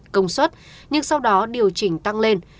công suất nhưng sau đó điều chỉnh tăng lên